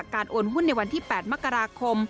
โอนหุ้นในวันที่๘มกราคม